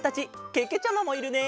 けけちゃまもいるね！